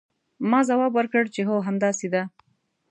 ما ځواب ورکړ چې هو همداسې ده.